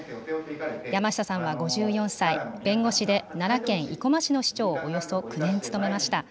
山下さんは５４歳、弁護士で、奈良県生駒市の市長を、およそ９年務めました。